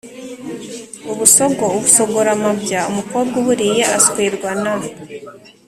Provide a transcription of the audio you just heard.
ubusogo ubusogoramabya, umukobwa uburiye aswerwa na